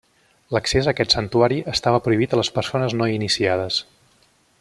L'accés a aquest santuari estava prohibit a les persones no iniciades.